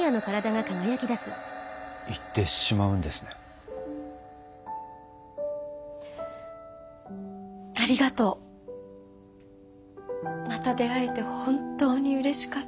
また出会えて本当にうれしかった。